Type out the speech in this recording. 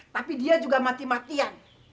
tapi dia juga mati matian